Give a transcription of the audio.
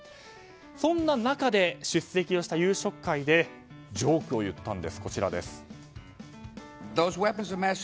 そんな中で出席をした夕食会でジョークを言ったんです。